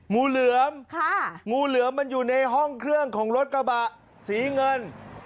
งูเหลือมงูเหลือมมันอยู่ในห้องเครื่องของรถกระบะสีเงิน